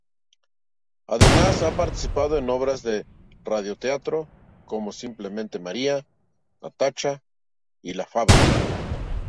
Además, ha participado en obras de radio-teatro como "Simplemente María", "Natacha" y "La Fábrica".